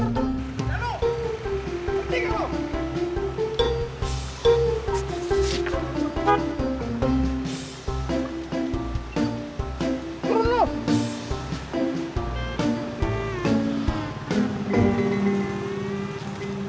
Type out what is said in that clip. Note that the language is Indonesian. tano berhenti kakak